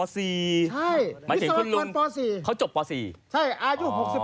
ใช่วิศวกรป๔เขาจบป๔อาจจะจบป๔